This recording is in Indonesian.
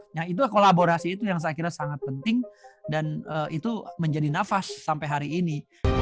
nah itu kolaborasi itu yang saya kira sangat penting dan itu menjadi nafas sampai hari ini